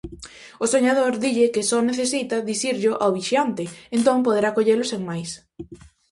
O soñador dille que só necesita dicirllo ao vixiante, entón poderá collelo sen máis.